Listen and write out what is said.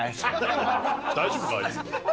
大丈夫か？